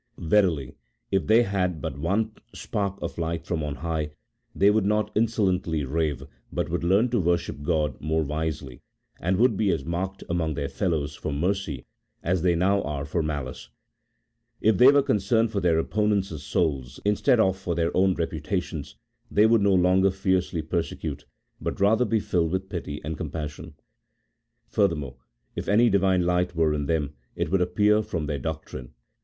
Verily, if they had but one spark of light from on High, they would not insolently rave, but would learn to worship God more wisely, and would be as marked among their fellows for mercy as they now are for malice; if they were concerned for their opponents' souls, instead of for their own reputations, they would no longer fiercely persecute, but rather be filled with pity and compassion. Furthermore, if any Divine light were in them, it would appear from their doctrine.